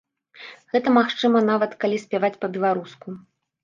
Гэта магчыма нават, калі спяваць па-беларуску.